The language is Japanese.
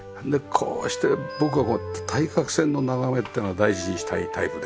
こうして僕はこう対角線の眺めっていうのを大事にしたいタイプで。